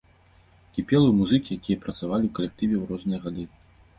Кіпелаў і музыкі, якія працавалі ў калектыве ў розныя гады.